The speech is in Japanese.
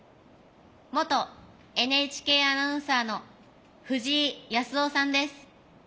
元ＮＨＫアナウンサーの藤井康生さんです。